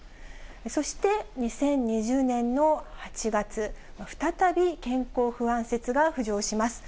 そして、２０２０年の８月、再び健康不安説が浮上します。